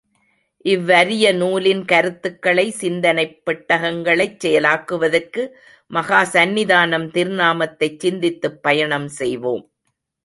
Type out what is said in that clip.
இவ்வரிய நூலின் கருத்துக்களை, சிந்தனைப் பெட்டகங்களைச் செயலாக்குவதற்கு மகாசந்நிதானம் திருநாமத்தைச் சிந்தித்துப் பயணம் செய்வோம்!